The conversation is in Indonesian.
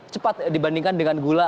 cepat dibandingkan dengan gula